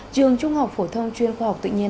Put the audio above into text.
trường trung học phổ thông chuyên khoa học tự nhiên